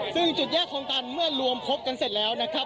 ซึ่งจุดแยกคลองตันเมื่อรวมพบกันเสร็จแล้วนะครับ